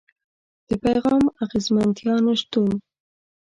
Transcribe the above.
د پيغام د اغېزمنتيا نشتون.